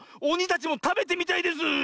おにたちもたべてみたいです！